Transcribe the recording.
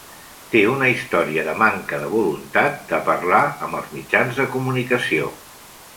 Té una història de manca de voluntat de parlar amb els mitjans de comunicació.